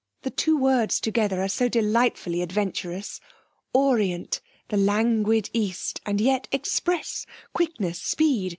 'The two words together are so delightfully adventurous. Orient the languid East, and yet express quickness, speed.